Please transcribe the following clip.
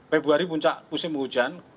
februari puncak kusim hujan